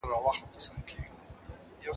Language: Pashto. خلګو په ډیره سختۍ سره کار کاوه.